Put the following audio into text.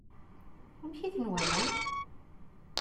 Amek i ten-walan?